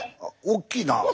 おっきいな。